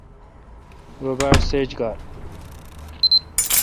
ررو باڑ سیج گار۔